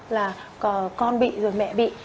là con bị rồi mẹ bị